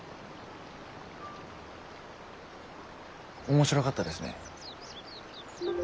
面白かったですね。